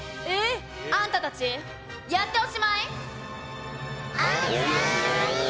あんたたち、やっておしまい！